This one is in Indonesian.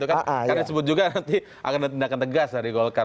karena disebut juga nanti akan ada tindakan tegas dari golkar